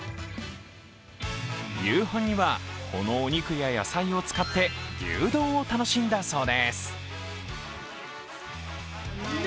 夕飯には、このお肉や野菜を使って牛丼を楽しんだそうです。